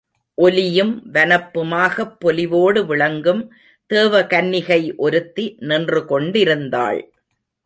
ஒலியும் வனப்புமாகப் பொலிவோடு விளங்கும் தேவ கன்னிகை ஒருத்தி நின்று கொண்டிருந்தாள்.